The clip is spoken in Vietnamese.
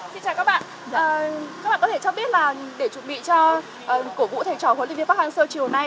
xin chào các bạn các bạn có thể cho biết là để chuẩn bị cho cổ vũ thầy trò huấn luyện viên bắc hàng sơ chiều nay